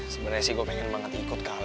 sebenernya sih gue pengen banget ikut kalah